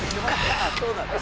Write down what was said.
「ああそうなんだ」